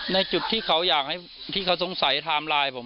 ในจุดที่เขาอยากให้ที่เขาสงสัยไทม์ไลน์ผม